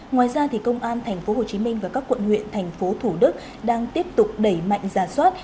ngoài ra công an tp hcm và các quận huyện thành phố thủ đức đang tiếp tục đẩy mạnh giả soát